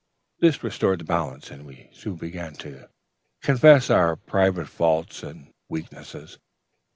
"This restored the balance, and we soon began to confess our own private faults and weaknesses.